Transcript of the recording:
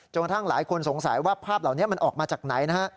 กระทั่งหลายคนสงสัยว่าภาพเหล่านี้มันออกมาจากไหนนะฮะ